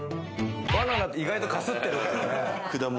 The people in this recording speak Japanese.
バナナって意外とかすってる。